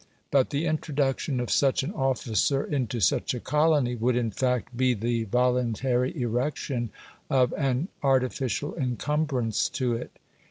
But the introduction of such an officer into such a colony would in fact be the voluntary erection of an artificial encumbrance to it.